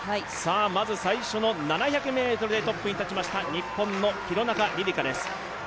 最初の７００ｍでトップに立ちました日本の廣中璃梨佳です。